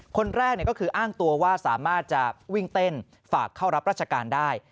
คนแรกก็คืออ้างตัวว่าสามารถจะวิ่งเต้นฝากเข้ารับราชการได้